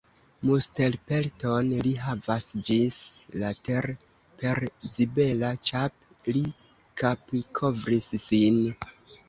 Mustelpelton li havas ĝis la ter', Per zibela ĉap' li kapkovris sin.